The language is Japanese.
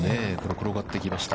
転がってきました。